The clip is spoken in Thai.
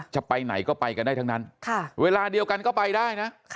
จะไปไหนก็ไปกันได้ทั้งนั้นเวลาเดียวกันก็ไปได้นะ